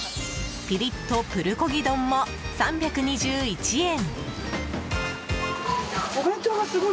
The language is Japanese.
ピリッとプルコギ丼も３２１円。